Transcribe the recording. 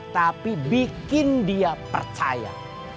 tapi bikin dia percaya